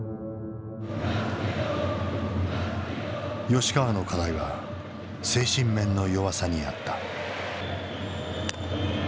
吉川の課題は精神面の弱さにあった。